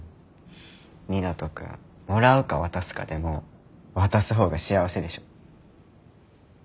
湊斗君もらうか渡すかでも渡す方が幸せでしょ。